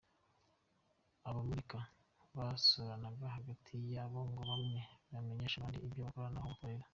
Abamurika basuranaga hagati yabo ngo bamwe bamenyeshe abandi ibyo bakora n’aho bakorera.